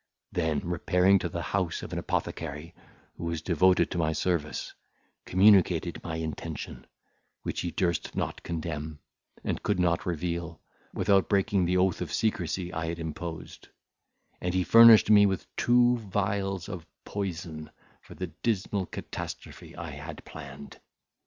Then repairing to the house of an apothecary who was devoted to my service, communicated my intention, which he durst not condemn, and could not reveal, without breaking the oath of secrecy I had imposed; and he furnished me with two vials of poison for the dismal catastrophe I had planned.